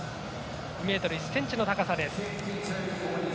２ｍ１ｃｍの高さです。